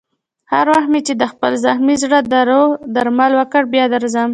هر وخت مې چې د خپل زخمي زړه دارو درمل وکړ، بیا درځم.